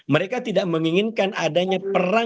mereka tidak menginginkan adanya perang